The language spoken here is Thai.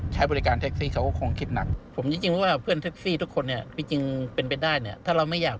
ใช้บริการแท็กซี่เขาก็คงคิดหนัก